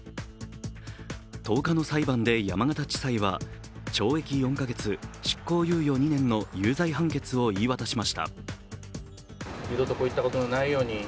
１０日の裁判で山形地裁は懲役４か月執行猶予２年の有罪判決を言い渡しました。